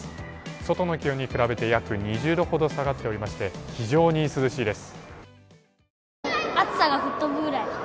外の気温に比べて約２０度ほど下がっていて非常に涼しいです。